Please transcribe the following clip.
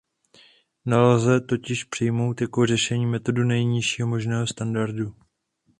Nelze totiž přijmout jako řešení metodu nejnižšího možného standardu.